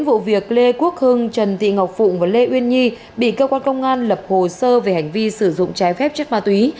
vụ việc lê quốc hưng trần thị ngọc phụng và lê uyên nhi bị cơ quan công an lập hồ sơ về hành vi sử dụng trái phép chất ma túy